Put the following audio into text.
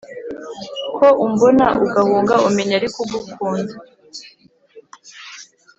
ko umbona ugahunga umenya ariko ugukunda